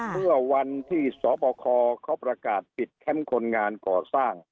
เมื่อวันที่สบคเขาประกาศปิดแคมป์คนงานก่อสร้าง